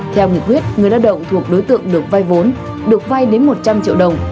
theo nghị quyết người lao động thuộc đối tượng được vay vốn được vay đến một trăm linh triệu đồng